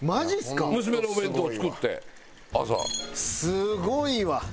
すごいわ！